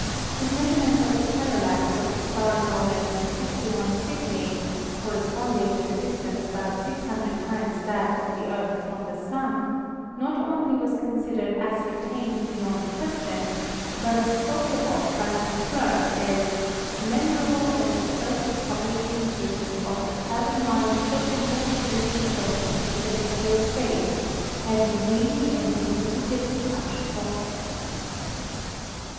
His measurement of the parallax of the star known as "61 Cygni," corresponding with a distance about 600 times that of the Earth from the Sun, not only was considered ascertained beyond question, but is spoken of by Miss Clerke as "memorable as the first published 24 ASTRONOMY instance of the fathom line so industriously thrown into celestial space having really and indubitably touched bot tom."